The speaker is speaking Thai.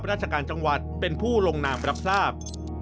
ราชการจังหวัดเป็นผู้ลงนามรับทราบ